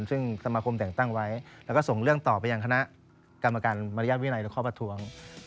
ซึ่งสมาคมแต่งตั้งไว้แล้วก็ส่งเรื่องต่อไปยังคณะกรรมการมารยาทวินัยและข้อประท้วง